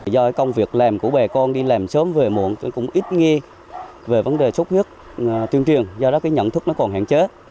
do công việc làm của bà con đi làm sớm về muộn tôi cũng ít nghe về vấn đề sốt huyết tuyên truyền do đó cái nhận thức nó còn hạn chế